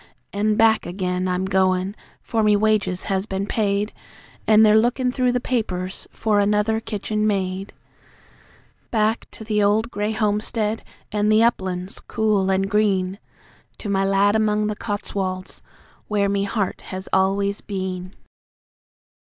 An' back again I'm goin' (for me wages has been paid, An' they're lookin' through the papers for another kitchen maid). Back to the old grey homestead, an' the uplands cool an' green, To my lad among the Cotswolds, where me heart has always been!